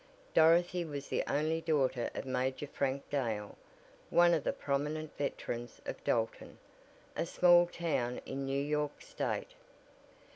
Dorothy was the only daughter of Major Frank Dale, one of the prominent veterans of Dalton, a small town in New York state.